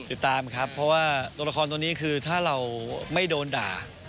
ติดตามครับเพราะว่าตัวละครตัวนี้คือถ้าเราไม่โดนด่า